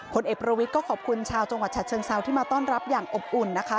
ผลเอกประวิทย์ก็ขอบคุณชาวจังหวัดฉะเชิงเซาที่มาต้อนรับอย่างอบอุ่นนะคะ